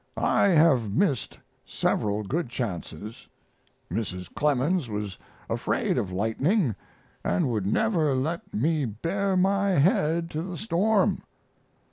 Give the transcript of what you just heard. I have missed several good chances. Mrs. Clemens was afraid of lightning, and would never let me bare my head to the storm."